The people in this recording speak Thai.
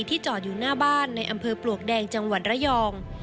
จอดอยู่หน้าบ้านในอำเภอปลวกแดงจังหวัดระยอง